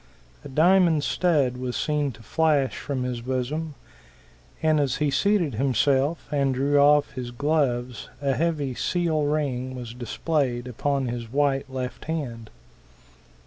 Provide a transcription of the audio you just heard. A diamond stud was seen to flash from his bosom; and as he seated himself and drew off his gloves a heavy seal ring was displayed upon his white left hand.